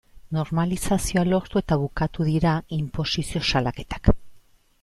Normalizazioa lortu eta bukatu dira inposizio salaketak.